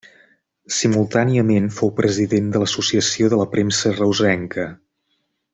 Simultàniament, fou president de l'Associació de la Premsa Reusenca.